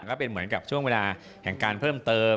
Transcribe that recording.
ก็เป็นเหมือนกับช่วงเวลาแห่งการเพิ่มเติม